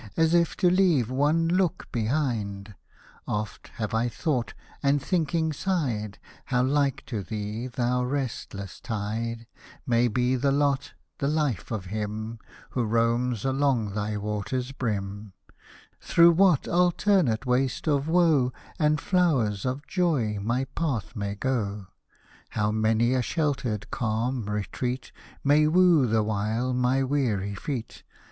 As if to leave one look behind, — Oft have I thought, and thinking sighed, How like to thee, thou restless tide, May be the lot, the life of him Who roams along thy water's brim ; Through what alternate wastes of woe And flowers of joy my path may go ; How many a sheltered, calm retreat May woo the while my weary feet.